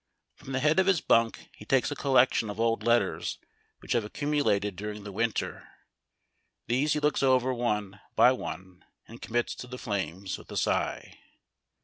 From the head of his bunk lie takes a collection of old let ters which have accumulated during the winter. These he looks over one by one and commits to the flames with a sigh.